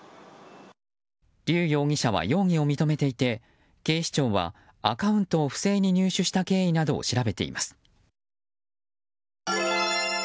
リュウ容疑者は容疑を認めていて警視庁はアカウントを不正に入手した経緯などを調べています。